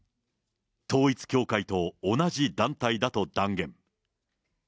統一教会と同じ団体だと断言。